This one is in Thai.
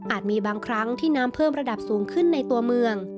มีบางครั้งที่น้ำเพิ่มระดับสูงขึ้นในตัวเมือง